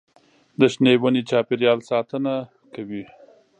د شنې ونې د چاپېریال ساتنه کوي.